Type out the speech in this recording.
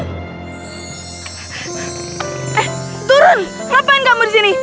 eh turun ngapain kamu di sini